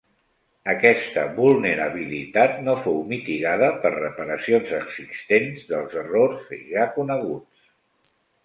Aquesta vulnerabilitat no fou mitigada per reparacions existents dels errors ja coneguts.